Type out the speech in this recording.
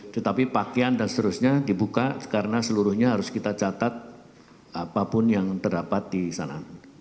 tetapi pakaian dan seterusnya dibuka karena seluruhnya harus kita catat apapun yang terdapat di sana